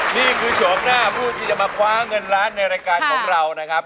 นี่คือโฉมหน้าผู้ที่จะมาคว้าเงินล้านในรายการของเรานะครับ